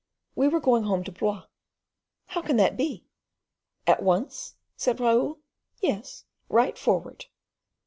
"We were going home to Blois." "How can that be?" "At once?" said Raoul. "Yes, right forward."